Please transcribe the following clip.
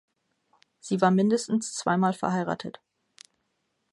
Sie war mindestens zweimal verheiratet.